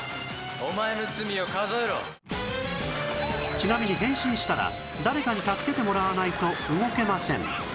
ちなみに変身したら誰かに助けてもらわないと動けません